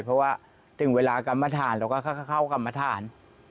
เพราะว่าถึงเวลากรรมฐานเราก็เข้ากรรมฐาน